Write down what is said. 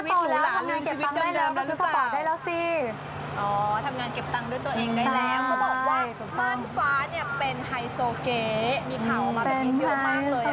มีข่าวออกมาเป็นเยอะมากเลย